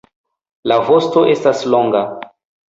La vosto estas longa.